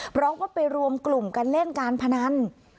เพราะว่าไปรวมกลุ่มกันเล่นการพนัน